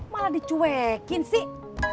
malah dicuekin sih